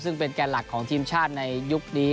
ซึ่งเป็นแก่หลักของทีมชาติในยุคนี้